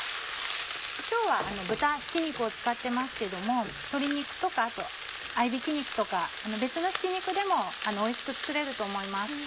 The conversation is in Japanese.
今日は豚ひき肉を使ってますけども鶏肉とかあと合いびき肉とか別のひき肉でもおいしく作れると思います。